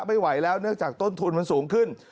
ไม่ไหวแล้วเนื่องจากต้นทุนมันสูงขึ้น